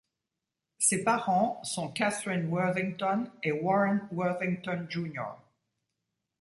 Ses parents sont Kathryn Worthington et Warren Worthington Jr.